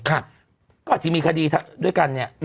ก็อาจจะมีคดีด้วยกัน